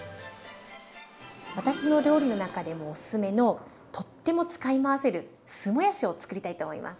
私の料理の中でもおすすめのとっても使い回せる酢もやしをつくりたいと思います。